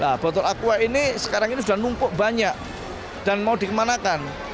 nah botol aqua ini sekarang ini sudah numpuk banyak dan mau dikemanakan